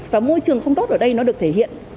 và môi trường không tốt ở đây nó được thể hiện